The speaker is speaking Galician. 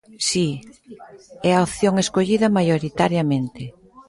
Si, é a opción escollida maioritariamente.